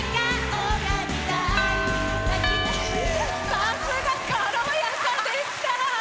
さすが、軽やかでした！